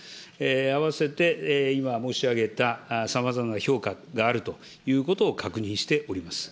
あわせて今申し上げた、さまざまな評価があるということを確認しております。